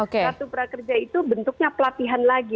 kartu prakerja itu bentuknya pelatihan lagi